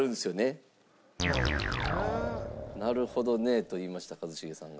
「なるほどね」と言いました一茂さんが。